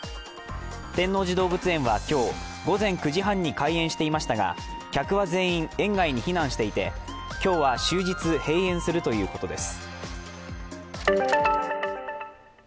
天王寺動物園は今日、午前９時半に開園していましたが、客は全員、園外に避難していて今日は終日閉園するということです。